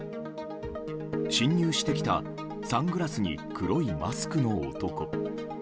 侵入してきたサングラスに黒いマスクの男。